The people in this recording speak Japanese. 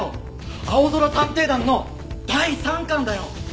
『あおぞら探偵団』の第３巻だよ！